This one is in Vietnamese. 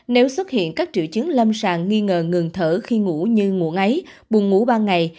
nếu xuất hiện các triệu chứng lâm sàng nghi ngờ ngừng thở khi ngủ như ngủ ngáy buồn ngủ ba ngày